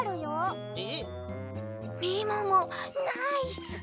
みももナイス！